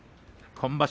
今場所